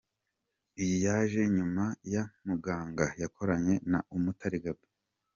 Iyi yaje nyuma ya ‘Muganga’ yakoranye na Umutare Gabby.